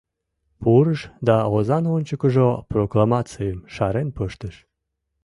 Пурыш да озан ончыкыжо прокламацийым шарен пыштыш.